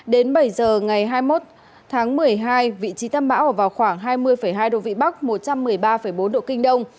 đến bảy giờ ngày hai mươi một tháng một mươi hai vị trí tâm bão ở vào khoảng hai mươi hai độ vĩ bắc một trăm một mươi ba bốn độ kinh đông